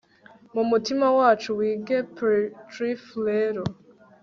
mumitima yacu, wige petrify rero ,